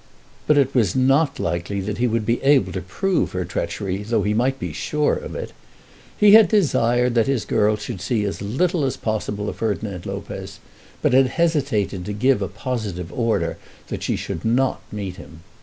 But it was not likely that he would be able to prove her treachery though he might be sure of it. He had desired that his girl should see as little as possible of Ferdinand Lopez, but had hesitated to give a positive order that she should not meet him.